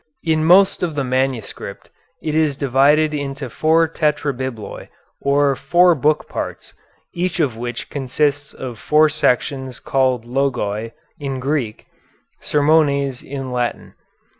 In most of the manuscript it is divided into four Tetrabibloi, or four book parts, each of which consists of four sections called Logoi in Greek, Sermones in Latin.